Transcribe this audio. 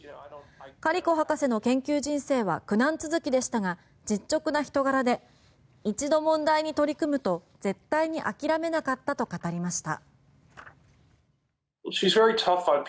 カリコ博士の研究人生は苦難続きでしたが実直な人柄で一度問題に取り組むと絶対に諦めなかったと語りました。